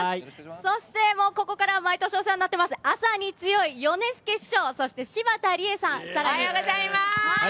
そして、もうここから、毎年お世話になっております、朝に強いヨネスケ師匠、そして柴田理恵さん、さらに。おはようございます。